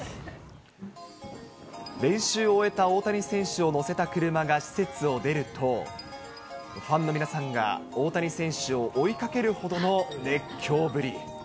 練習を終えた大谷選手を乗せた車が施設を出ると、ファンの皆さんが大谷選手を追いかけるほどの熱狂ぶり。